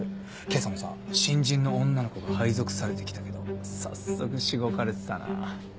今朝もさ新人の女の子が配属されて来たけど早速しごかれてたな。